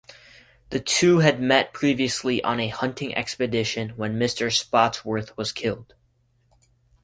The two had met previously on a hunting expedition when Mr Spottsworth was killed.